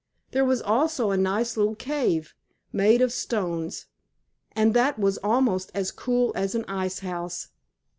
There was also a nice little cave, made of stones, and that was almost as cool as an icehouse.